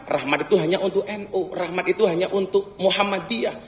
rahmat itu hanya untuk nu rahmat itu hanya untuk muhammadiyah